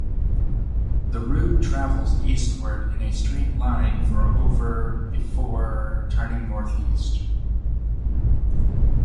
The route travels eastward in a straight line for over before turning northeast.